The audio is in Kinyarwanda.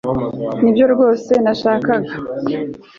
nibyo rwose nashakaga